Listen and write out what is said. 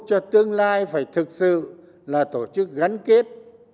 cho tương lai phải thực sự là tổ chức gắn kết